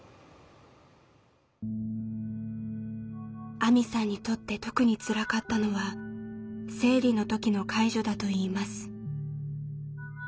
あみさんにとって特につらかったのは生理の時の介助だといいます。